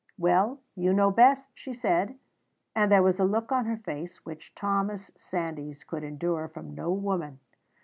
"Well, you know best," she said, and there was a look on her face which Thomas Sandys could endure from no woman.